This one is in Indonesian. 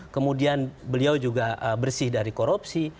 kemudian beliau juga bersih dari korupsi